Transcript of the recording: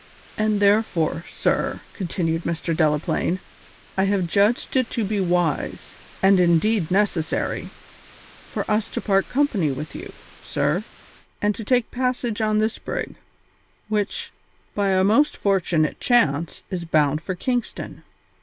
"And, therefore, sir," continued Mr. Delaplaine, "I have judged it to be wise, and indeed necessary, for us to part company with you, sir, and to take passage on this brig, which, by a most fortunate chance, is bound for Kingston.